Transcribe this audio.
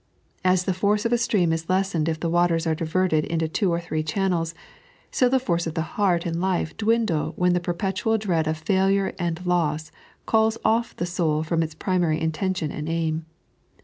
As the force of a stream is lessened if the waters are diverted into two or three channels, so the force of heart and life dwindle when the perpetual dread of failure and loss calls off the soul from its primary intention and aim.